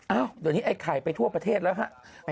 เดี๋ยวนี้ไอ้ไข่ไปทั่วประเทศแล้วฮะ